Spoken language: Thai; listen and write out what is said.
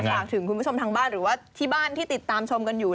ฝากถึงคุณผู้ชมทางบ้านหรือว่าที่บ้านที่ติดตามชมกันอยู่